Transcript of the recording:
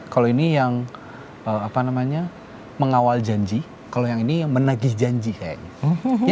kalau yang ini yang apa namanya mengawal janji kalau yang ini yang menagih janji kayaknya